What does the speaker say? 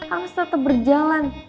angs tetep berjalan